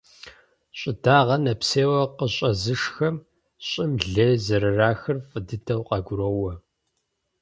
Щӏы дагъэр нэпсейуэ къыщӏэзышхэм щӏым лей зэрырахыр фӏы дыдэу къагуроӏуэ.